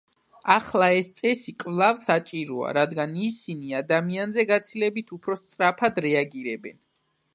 ახლა ეს წესი კვლავ საჭიროა, რადგან ისინი ადამიანზე გაცილებით უფრო სწრაფად რეაგირებენ.